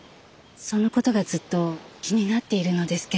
そのことがずっと気になっているのですけど。